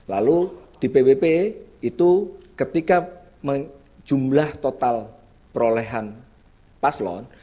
lalu di pwp itu ketika jumlah total perolehan paslon